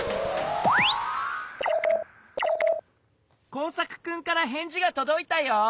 コウサクくんからへんじがとどいたよ。